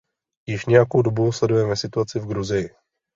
Již nějakou dobu sledujeme situaci v Gruzii.